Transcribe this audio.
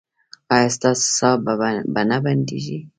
ایا ستاسو ساه به نه بندیږي؟